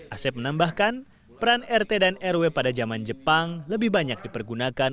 asep menambahkan peran rt dan rw pada zaman jepang lebih banyak dipergunakan